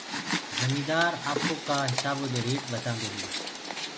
جميندآر آپوڪآ هسآبو دي ريٽ ٻتآندو هي